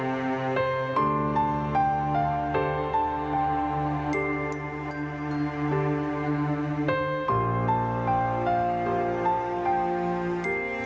สวัสดีครับสวัสดีครับ